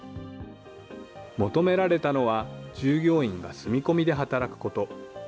求められたのは、従業員が住み込みで働くこと。